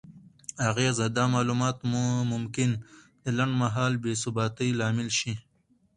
اغیزه: دا معلومات ممکن د لنډمهاله بې ثباتۍ لامل شي؛